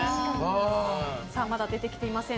まだ出てきていません。